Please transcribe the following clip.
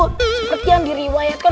seperti yang diriwayatkan